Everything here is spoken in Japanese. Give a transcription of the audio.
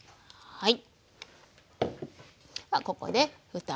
はい。